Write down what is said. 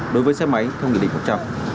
đối với xe máy theo nghị định một trăm linh